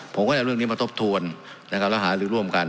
ผมก็จะเอาเรื่องนี้มาทบทวนและหารึกร่วมกัน